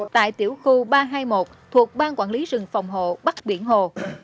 tại tiểu khu ba trăm hai mươi một thuộc ban quản lý rừng phòng hộ bắc biển hồ